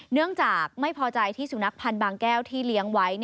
เนื่องจากไม่พอใจที่สุนัขพันธ์บางแก้วที่เลี้ยงไว้